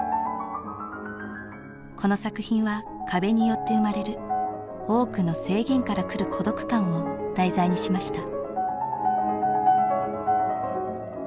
この作品は壁によって生まれる多くの制限からくる孤独感を題材にしました。